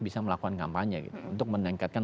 bisa melakukan kampanye gitu untuk menengkatkan